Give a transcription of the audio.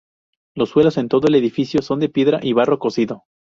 Los suelos en todo el edificio son de piedra y barro cocido.